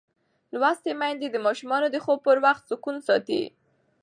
لوستې میندې د ماشومانو د خوب پر وخت سکون ساتي.